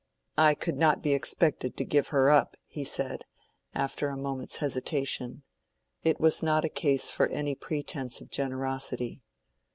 "I could not be expected to give her up," he said, after a moment's hesitation: it was not a case for any pretence of generosity.